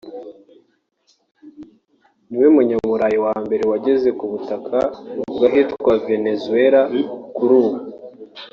niwe munyaburayi wa mbere wageze ku butaka bw’ahitwa Venezuela kuri ubu